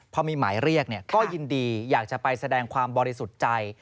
พอมีหมายเรียกก็ยินดีอยากจะไปแสดงความบริสุทธิ์ใจ